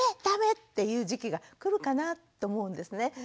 ダメ！」っていう時期が来るかなと思うんですね。